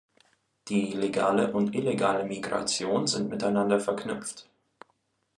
Die legale und illegale Migration sind miteinander verknüpft.